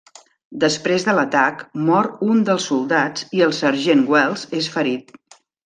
Després de l'atac mor un dels soldats i el sergent Wells és ferit.